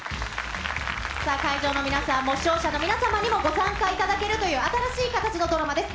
さあ、会場の皆さんも、視聴者の皆様にもご参加いただけるという新しい形のドラマです。